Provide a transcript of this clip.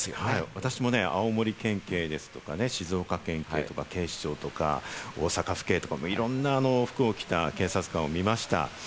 私も青森県警ですとか、静岡県警とか、警視庁とか、大阪府警とかいろんな服を着た警察官を見ました。